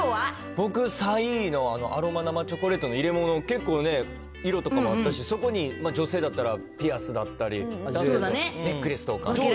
僕、３位のアロマ生チョコレートの入れ物が結構、色とかもあったし、そこに女性だったらピアスだったり、ネックレスとか。